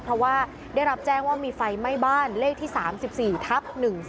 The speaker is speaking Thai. เพราะว่าได้รับแจ้งว่ามีไฟไหม้บ้านเลขที่๓๔ทับ๑๔